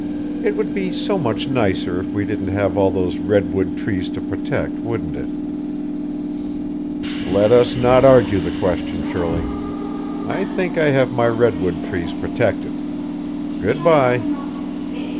It would be so much nicer if we didn't have all those redwood trees to protect, wouldn't it?" "Let us not argue the question, Shirley. I think I have my redwood trees protected. Good bye."